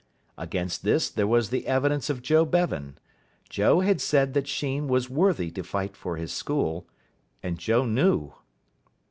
Against this there was the evidence of Joe Bevan. Joe had said that Sheen was worthy to fight for his school, and Joe knew.